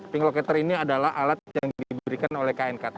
ping locator ini adalah alat yang diberikan oleh knkt